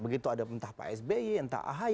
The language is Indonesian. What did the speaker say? begitu ada entah psbi entah ahi